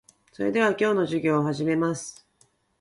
それでは、今日の授業を始めます。